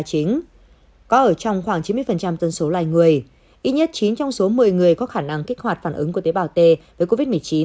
có ở trong khoảng chín mươi dân số loài người ít nhất chín trong số một mươi người có khả năng kích hoạt phản ứng của tế bào t với covid một mươi chín